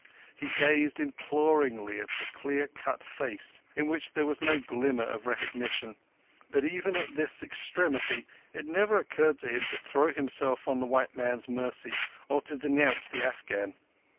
He gazed imploringly at the clear cut face in which there was no glimmer of recognition; but even at this extremity it never occurred to him to throw himself on the white man's mercy or to denounce the Afghan.